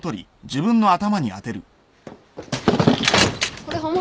これ本物？